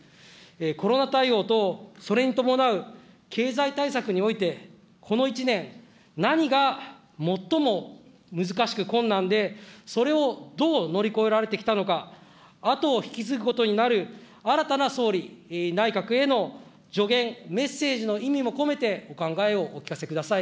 コロナ対応とそれに伴う経済対策において、この１年、何が最も難しく困難で、それをどう乗り越えられてきたのか、後を引き継ぐことになる新たな総理、内閣への助言、メッセージの意味も込めて、お考えをお聞かせください。